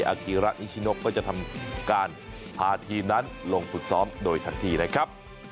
อากีระนิชิโนก็จะทำการพาทีมนั้นลงฝึกซ้อมโดยทันทีนะครับ